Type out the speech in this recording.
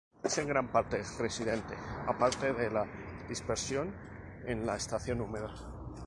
Es en gran parte residente, aparte de la dispersión en la estación húmeda.